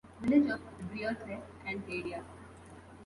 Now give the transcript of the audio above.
Village of Briercrest and area.